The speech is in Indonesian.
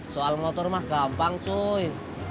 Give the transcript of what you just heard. soal motor mah gampang sui